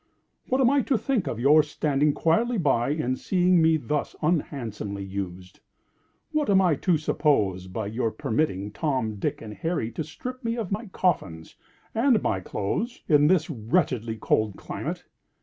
What am I to think of your standing quietly by and seeing me thus unhandsomely used? What am I to suppose by your permitting Tom, Dick, and Harry to strip me of my coffins, and my clothes, in this wretchedly cold climate?